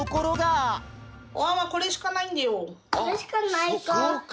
これしかないか。